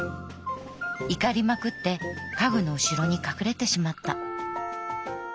怒りまくって家具の後ろに隠れてしまった。